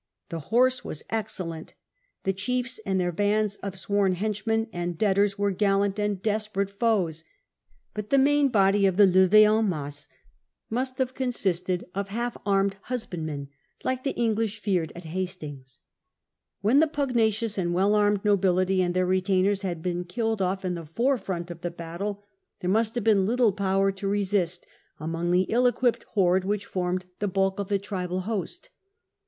The horse was excellent : the chiefs and their bands of sworn hench men and '' debtors " were gallant and desperate foes. But the main body of a lev^e ^en^ masse must have con sisted of half armed husbandmen, like the English fyrd at Hastings. When the pugnacious and well armed nobility and their retainers had been killed off in the forefront of the battle, there must have been little power to resist among the ill equipped horde which formed the bulk of the tribal host.